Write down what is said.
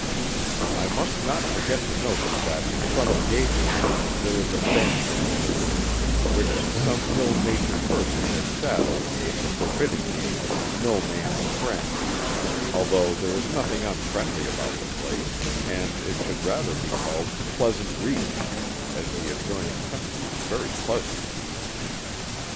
I must not forget to notice that in front of Gagetown there is a bend in the river, which some ill natured person has saddled with the forbidding name of "No Man's Friend" although there is nothing unfriendly about the place, and it should rather be called "Pleasant Reach" as the adjoining country is very pleasant.